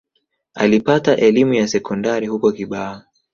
Alipata elimu ya sekondari huko Kibaha